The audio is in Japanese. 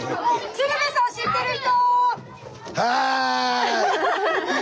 小平さん知ってる人！